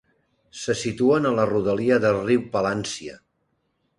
Se situen a la rodalia del riu Palància.